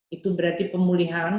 itu berarti pemulihan